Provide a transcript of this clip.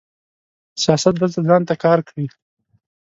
سیاست دلته ځان ته کار کوي.